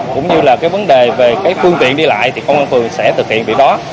cũng như là cái vấn đề về cái phương tiện đi lại thì công an phường sẽ thực hiện việc đó